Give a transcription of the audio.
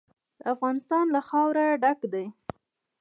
افغانستان له خاوره ډک دی.